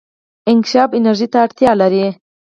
انکشاف انرژي ته اړتیا لري.